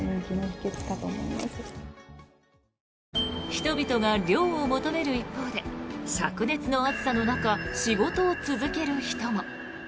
人々が涼を求める一方でしゃく熱の暑さの中仕事を続ける人も。